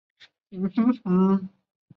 劳巴赫是德国黑森州的一个市镇。